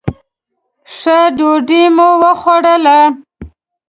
ښه ډوډۍ مو وخوړله.